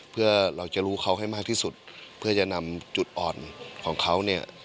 เพื่อเราจะรู้เขาให้มากที่สุดเพื่อจะนำจุดอ่อนของเขาเนี่ย